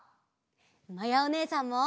まやおねえさんも！